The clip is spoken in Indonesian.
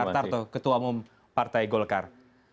hartarto ketua umum partai golkar